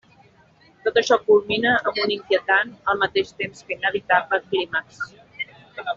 Tot això culmina amb un inquietant, al mateix temps que inevitable, clímax.